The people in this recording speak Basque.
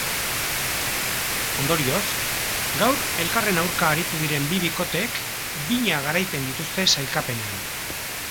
Ondorioz, gaur elkarren aurka aritu diren bi bikoteek bina garaipen dituzte sailkapenean.